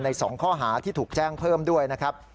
๒ข้อหาที่ถูกแจ้งเพิ่มด้วยนะครับ